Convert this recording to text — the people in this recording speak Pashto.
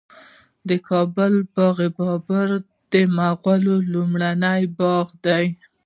د کابل د باغ بابر د مغلو لومړنی باغ دی